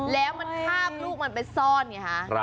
แล้วมันคาบลูกมันไปซ่อนไงคะ